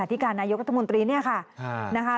เลขาธิการนายกรรธมนตรีเนี่ยค่ะ